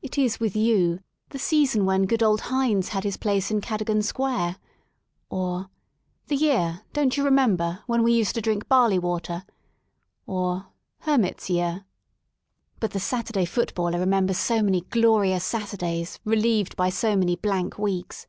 It is with i you :The season when good old Hinds had his place ' in Cadogan Square"; or, The year, don't you re f member? when we used to drink barley water," or, ]Hermit's year." But the Saturday footballer remem I bers so many glorious Saturdays relieved by so many , blank weeks.